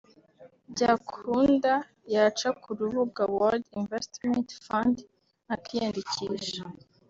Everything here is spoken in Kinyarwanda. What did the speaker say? byakunda yaca ku rubuga World Investment Fund akiyandikisha